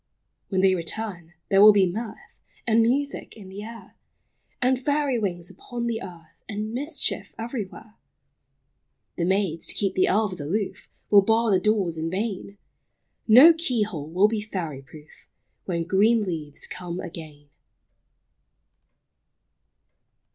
When they return, there will be mirth And music in the air, And fairy wings upon the earth, And mischief everywhere. The maids, to keep the elves aloof, Will bar the doors in vain ; No key hole will be fairy proof, When green leaves come again.